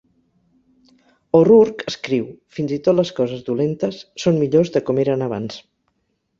O'Rourke escriu: fins i tot les coses dolentes són millors de com eren abans.